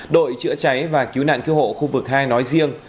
đội chữa cháy và cứu nạn cứu hộ khu vực hai nói riêng